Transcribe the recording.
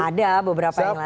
ada beberapa yang lain